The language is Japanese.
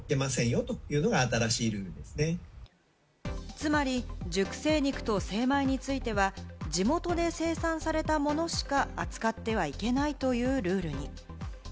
つまり、熟成肉と精米については、地元で生産されたものしか扱ってはいけないというルールに。